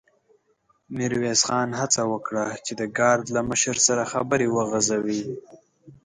ميرويس خان هڅه وکړه چې د ګارد له مشر سره خبرې وغځوي.